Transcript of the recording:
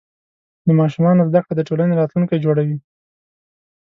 د ماشومانو زده کړه د ټولنې راتلونکی جوړوي.